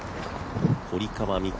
堀川未来